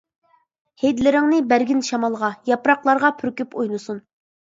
ھىدلىرىڭنى بەرگىن شامالغا ياپراقلارغا پۈركۈپ ئوينىسۇن.